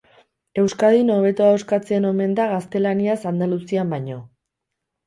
Euskadin hobeto ahoskatzen omen da gaztelaniaz Andaluzian baino.